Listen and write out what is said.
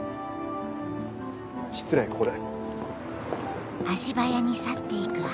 失礼ここで。